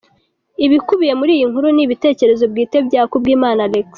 Ibikubiye muri iyi nkuru ni ibitekerezo bwite bya Kubwimana Alexis.